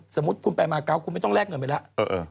สมมุติคุณไปมาเกาะคุณไม่ต้องแลกเงินไปแล้ว